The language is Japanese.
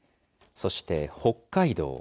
そして北海道。